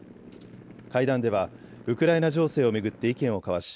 会談ではウクライナ情勢を巡って意見を交わし